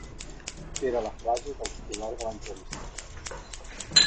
Era la frase del titular de l’entrevista.